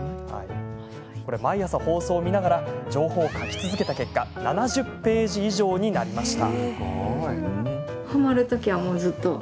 毎朝、放送を見ながら情報を書き続けた結果７０ページ以上になりました。